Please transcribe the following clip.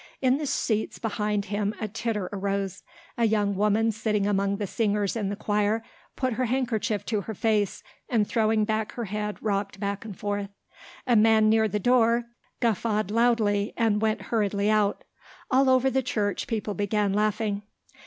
In the seats behind him a titter arose. A young woman sitting among the singers in the choir put her handkerchief to her face and throwing back her head rocked back and forth. A man near the door guffawed loudly and went hurriedly out. All over the church people began laughing.